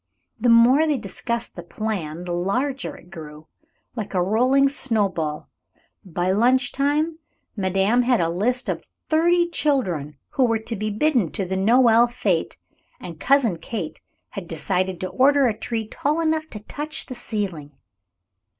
The more they discussed the plan the larger it grew, like a rolling snowball. By lunch time madame had a list of thirty children, who were to be bidden to the Noël fête, and Cousin Kate had decided to order a tree tall enough to touch the ceiling.